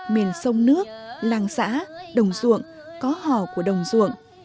miền sông nước làng xã đồng ruộng có hò của đồng ruộng